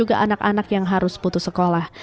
anak yang harus putus sekolah